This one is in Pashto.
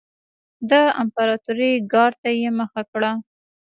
د امپراتورۍ ګارډ ته یې مخه کړه.